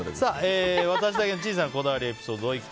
私だけの小さいこだわりエピソードです。